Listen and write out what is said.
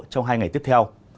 trong hai ngày tiếp theo